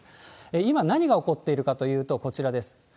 今、何が起こっているかというと、こちらです。